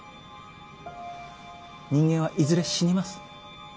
人間はいずれ死にます。